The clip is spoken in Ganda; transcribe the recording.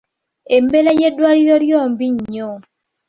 Embeera y'eddwaliro lyo mbi nnyo.